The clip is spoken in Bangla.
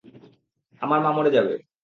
আমার মা মরে যাবে।